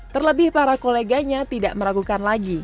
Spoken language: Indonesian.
terlebih para koleganya tidak meragukan lagi